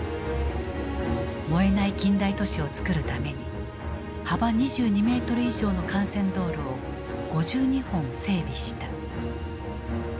燃えない近代都市をつくるために幅２２メートル以上の幹線道路を５２本整備した。